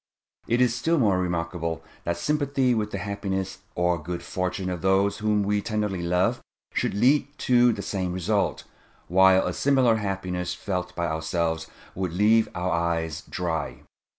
It is still more remarkable that sympathy with the happiness or good fortune of those whom we tenderly love should lead to the same result, whilst a similar happiness felt by ourselves would leave our eyes dry.